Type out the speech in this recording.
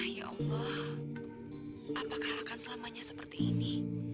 ya allah apakah akan selamanya seperti ini